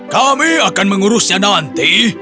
kami akan mengurusnya nanti